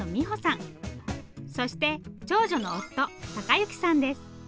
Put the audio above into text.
そして長女の夫貴之さんです。